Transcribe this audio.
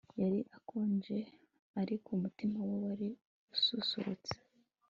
yari akonje, ariko umutima we wari ususurutse